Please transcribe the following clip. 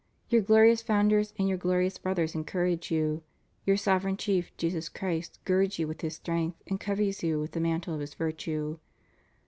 Your glorious founders and your glorious brothers encourage you. Your Sovereign Chief, Jesus Christ, girds you with His strength and covers you with the mantle of His virtue.